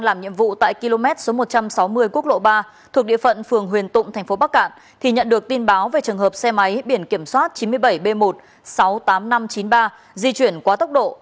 làm nhiệm vụ tại km một trăm sáu mươi quốc lộ ba thuộc địa phận phường huyền tụng tp bắc cạn thì nhận được tin báo về trường hợp xe máy biển kiểm soát chín mươi bảy b một sáu mươi tám nghìn năm trăm chín mươi ba di chuyển quá tốc độ